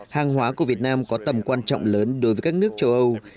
hàng hóa của việt nam có tầm quan trọng lớn đối với các nước châu âu